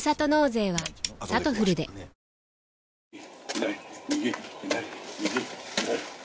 左右左右。